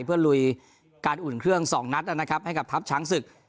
เพื่อลุยการอุ่นเครื่อง๒นัดนะครับให้กับทัพช้างศึก